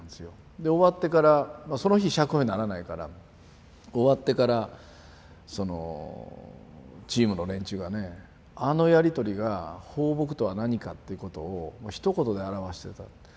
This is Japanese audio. で終わってからその日釈放にならないから終わってからチームの連中がねあのやり取りが抱樸とは何かっていうことをひと言で表してたって。